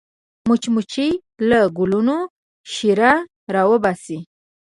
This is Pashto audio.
مچمچۍ له ګلونو شیره راوباسي